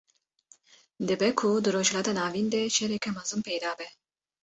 Dibe ku di rojhilata navîn de şereke mezin peyda be